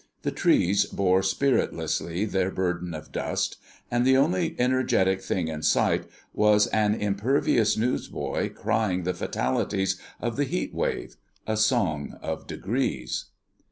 The trees bore spiritlessly their burden of dust; and the only energetic thing in sight was an impervious newsboy crying the fatalities of the heat wave a Song of Degrees.